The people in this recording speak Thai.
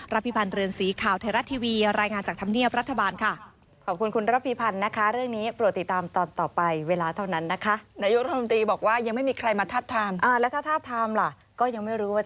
พิพันธ์เรือนสีข่าวไทยรัฐทีวีรายงานจากธรรมเนียบรัฐบาลค่ะ